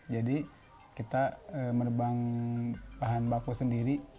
jadi kita menebang bahan baku sendiri